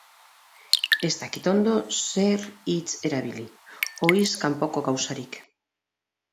Ez dakit ondo zer hitz erabili... ohiz kanpoko gauzarik.